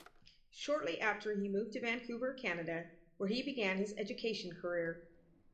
Shortly after he moved to Vancouver, Canada, where he began his education career.